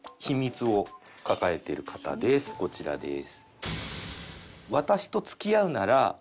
こちらです。